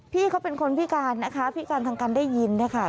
พี่เขาเป็นคนพิการนะคะพิการทางการได้ยินนะคะ